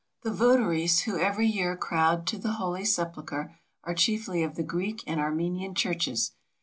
The votaries who every year crowd to the Holy Sepul chre are chiefly of the Greek and Armenian Churches.